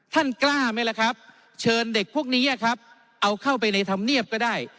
กล้าไหมล่ะครับเชิญเด็กพวกนี้ครับเอาเข้าไปในธรรมเนียบก็ได้